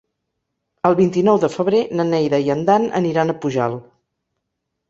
El vint-i-nou de febrer na Neida i en Dan aniran a Pujalt.